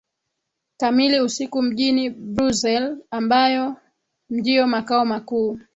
kamili usiku mjini Brussels ambayo ndio makao makuu